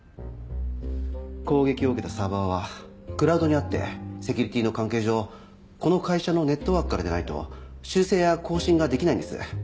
攻撃を受けたサーバーはクラウドにあってセキュリティーの関係上この会社のネットワークからでないと修正や更新ができないんです。